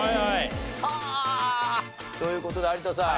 はあ！という事で有田さん。